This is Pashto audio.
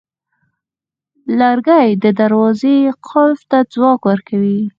لرګی د دروازې قلف ته ځواک ورکوي.